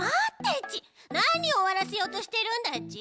なにおわらせようとしてるんだち！